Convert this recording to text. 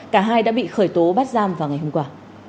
cả hai đã bị khởi tố bắt giam vào ngày hôm qua